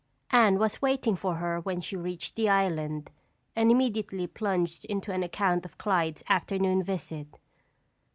Anne was waiting for her when she reached the island and immediately plunged into an account of Clyde's afternoon visit.